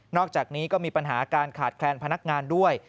อกจากนี้ก็มีปัญหาการขาดแคลนพนักงานด้วย